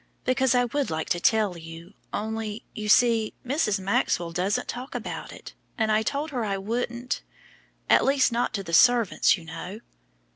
Because I would like to tell you, only, you see, Mrs. Maxwell doesn't talk about it, and I told her I wouldn't at least, not to the servants, you know."